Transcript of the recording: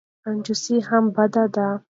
کنجوسي هم بده ده.